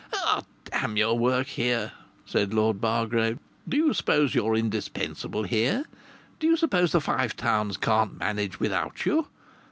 "D n your work here!" said Lord Bargrave. "Do you suppose you're indispensable here? Do you suppose the Five Towns can't manage without you?